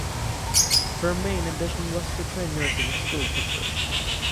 Her main ambition was to train nursing school teachers.